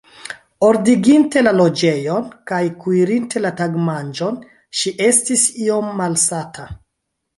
Ordiginte la loĝejon kaj kuirinte la tagmanĝon, ŝi estis iom malsata.